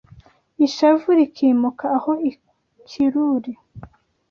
Ishavu rikimuka aho i Kiruri